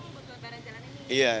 buat pelebaran jalan ini